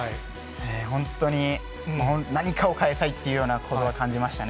本当に何かを変えたいっていうようなことは感じましたね。